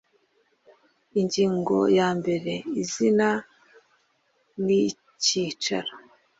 Ingingo ya mbere izina n icyicaro